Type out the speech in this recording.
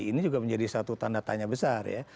ini juga menjadi satu tanda tanya besar ya